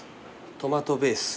トマトベース。